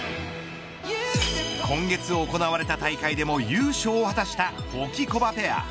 今月、行われた大会でも優勝を果たしたホキコバペア。